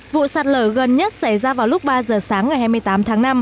vụ sạt lở gần nhất xảy ra vào lúc ba giờ sáng ngày hai mươi tám tháng năm